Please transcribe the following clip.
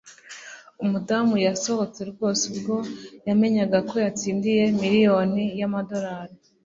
umudamu yasohotse rwose ubwo yamenyaga ko yatsindiye miliyoni y'amadolari